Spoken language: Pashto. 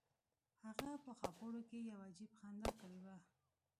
هغه په خاپوړو کې یو عجیب خندا کړې وه